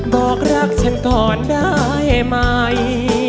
บอกรักฉันก่อนได้ไหม